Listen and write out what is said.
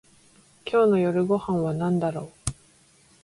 今日の夜ご飯はなんだろう